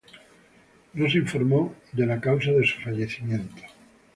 No se informó la causa de su fallecimiento.